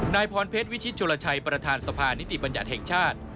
นายพรเพชรวิชิตจุลชัยประธานสภานิติบัญญัติแห่งชาติ